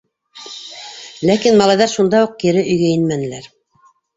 Ләкин малайҙар шунда уҡ кире өйгә инмәнеләр.